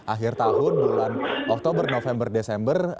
akhir tahun bulan oktober november desember